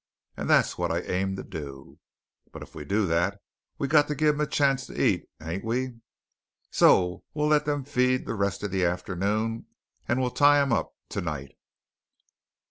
And that's what I aim to do. But if we do that, we got to give them a chance to eat, hain't we? So we'll let them feed the rest of the afternoon, and we'll tie em up to night."